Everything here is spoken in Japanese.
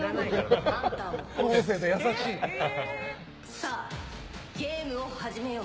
さあ、ゲームを始めよう。